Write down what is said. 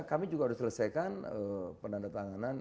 kami juga harus selesaikan penandatanganan